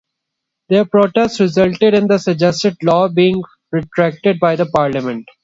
Their protest resulted in the suggested law being retracted by parliament.